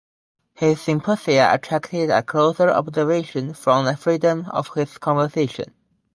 His symposia attracted a closer observation from the freedom of his conversation.